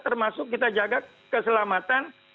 termasuk kita jaga keselamatan